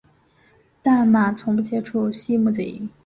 但马从不接触溪木贼。